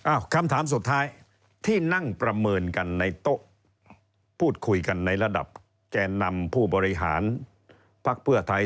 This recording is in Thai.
คำถามสุดท้ายที่นั่งประเมินกันในโต๊ะพูดคุยกันในระดับแก่นำผู้บริหารพักเพื่อไทย